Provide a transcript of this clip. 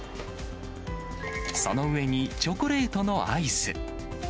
その上にチョコレートのアイス。